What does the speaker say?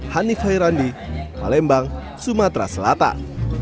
hanif hairandi palembang sumatera selatan